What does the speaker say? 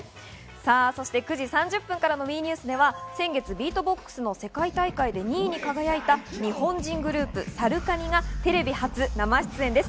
そして９時３０分からのＷＥニュースでは先月、ビートボックスの世界大会で２位に輝いた日本人グループ・ＳＡＲＵＫＡＮＩがテレビ初生出演です。